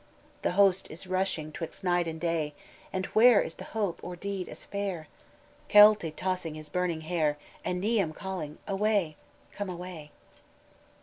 "The host is rushing twixt night and day, And where is there hope or deed as fair? Caolte tossing his burning hair, And Niam calling: 'Away, come away.'"